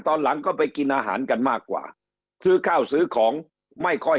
ตอนหลังก็ไปกินอาหารกันมากกว่าซื้อข้าวซื้อของไม่ค่อย